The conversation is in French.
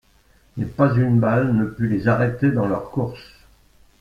Mais pas une balle ne put les arrêter dans leur course!